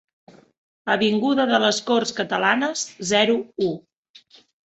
Avinguda de les Corts Catalanes zero u.